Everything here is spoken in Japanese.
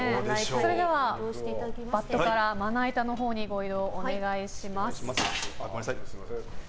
それではバットからまな板のほうにご移動をお願いします。